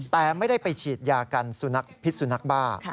แต่ไม่ได้ไปฉีดยากันสุนัขพิษสุนัขบ้า